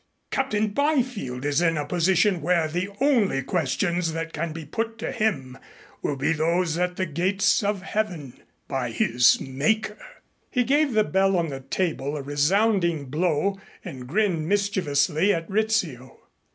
Captain Byfield is in a position where the only questions that can be put to him will be those at the Gates of Heaven by his Maker." He gave the bell on the table a resounding blow and grinned mischievously at Rizzio.